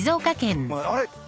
あれ？